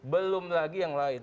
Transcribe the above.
belum lagi yang lain